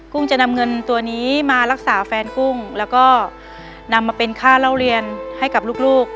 ุ้งจะนำเงินตัวนี้มารักษาแฟนกุ้งแล้วก็นำมาเป็นค่าเล่าเรียนให้กับลูก